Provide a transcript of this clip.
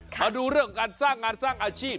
มาดูเรื่องของการสร้างงานสร้างอาชีพ